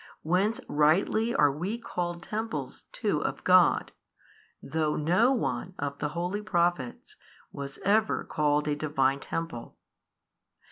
Whence rightly are we called temples too of God, though no one of the holy Prophets was ever called a Divine Temple.